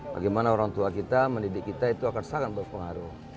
bagaimana orang tua kita mendidik kita itu akan sangat berpengaruh